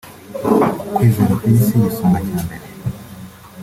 Kwizera Peace (igisonga cya mbere)